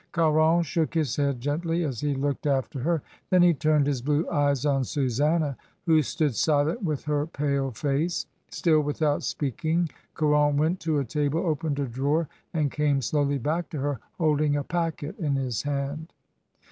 Caron shook his head gently as he looked after 2^2 MRS. DYMOND. her; then he turned his blue eyes on Susanna, who stood stilent with her pale face. Still without speaking Caron went to a table, opened a drawer, and came slowly back to her, holding a packet in his hand.